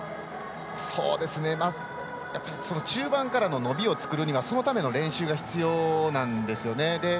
中盤からの伸びを作るにはそのための練習が必要なんですよね。